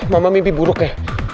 mama mimpi buruk ya